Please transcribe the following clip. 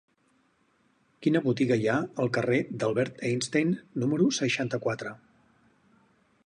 Quina botiga hi ha al carrer d'Albert Einstein número seixanta-quatre?